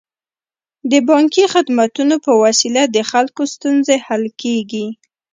د بانکي خدمتونو په وسیله د خلکو ستونزې حل کیږي.